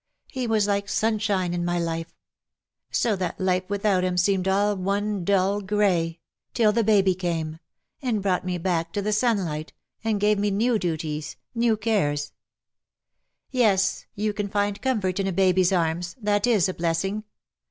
He was like sunshine in my life ; so that life without him seemed all one dull gray, till the baby came, and brought me back to the sunlight, and gave me new duties, new cares V' " Yes ! you can find comfort in a baby's arms — that is a blessing.